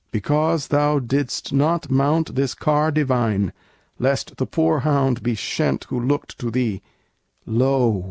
Because thou didst not mount This car divine, lest the poor hound be shent Who looked to thee, lo!